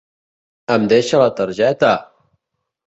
Em deixa la targeta!?